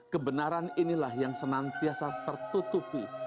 kebenaran inilah yang senantiasa tertutupi